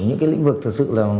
những cái lĩnh vực thật sự là